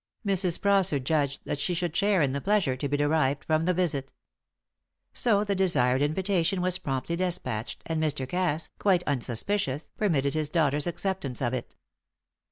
Mrs. Prosser judged that she would share in the pleasure to be derived from the visit. So the desired invitation was promptly despatched, and Mr. Cass, quite unsuspicious, permitted his daughter's acceptance of it.